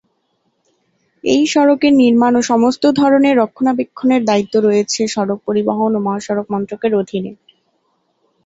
এই সড়কের নির্মাণ ও সমস্ত ধরনের রক্ষণাবেক্ষণের দায়িত্ব রয়েছে সড়ক পরিবহন ও মহাসড়ক মন্ত্রকের অধিনে।